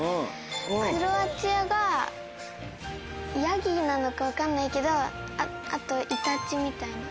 クロアチアがヤギなのか分かんないけどあとイタチみたいな。